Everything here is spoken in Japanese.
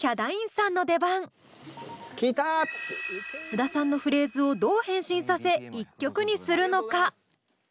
須田さんのフレーズをどう変身させ１曲にするのか？